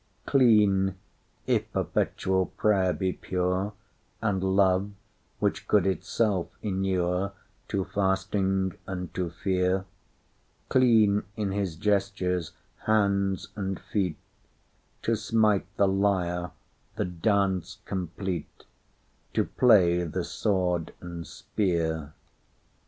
Clean—if perpetual prayer be pure, And love, which could itself inureTo fasting and to fear—Clean in his gestures, hands, and feet, To smite the lyre, the dance complete, To play the sword and spear.